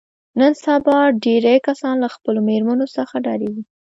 نن سبا ډېری کسان له خپلو مېرمنو څخه ډارېږي.